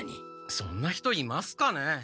そんな人いますかね？